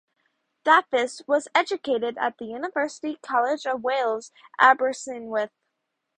Dafis was educated at the University College of Wales, Aberystwyth.